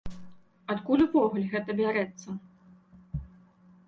Адкуль увогуле гэта бярэцца?